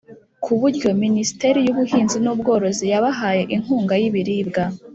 ku buryo Minisiteri y’Ubuhinzi n’ubworozi yabahaye inkunga y’ibiribwa